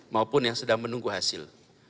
maupun yang sedang menunggu hasil